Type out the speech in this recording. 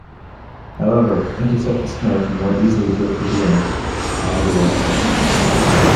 However, intercepted snow can more easily drift with the wind, out of the watershed.